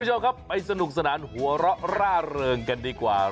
คุณผู้ชมครับไปสนุกสนานหัวเราะร่าเริงกันดีกว่า